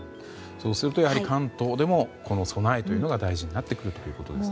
そうすると関東でも備えというのが大事になってくるということですね。